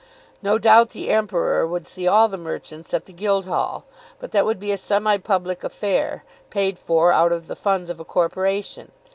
No doubt the Emperor would see all the merchants at the Guildhall; but that would be a semi public affair, paid for out of the funds of a corporation.